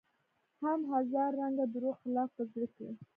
هم هزار رنګه دروغ خلاف په زړه کې